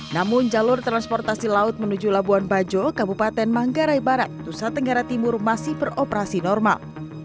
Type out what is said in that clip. namun jalur transportasi laut menuju labuan bajo kabupaten manggarai barat nusa tenggara timur masih beroperasi normal